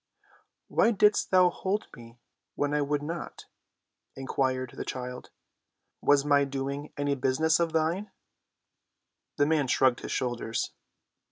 "Why didst thou hold me when I would not?" inquired the child. "Was my doing any business of thine?" The man shrugged his shoulders.